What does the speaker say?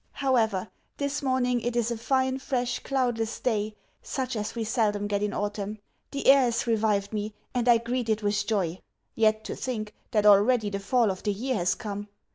However, this morning it is a fine, fresh, cloudless day, such as we seldom get in autumn. The air has revived me and I greet it with joy. Yet to think that already the fall of the year has come!